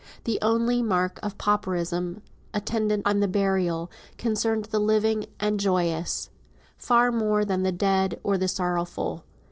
The only mark of pauperism attendant on the burial concerned the living and joyous, far more than the dead, or the sorrowful.